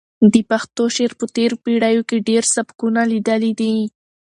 د پښتو شعر په تېرو پېړیو کې ډېر سبکونه لیدلي دي.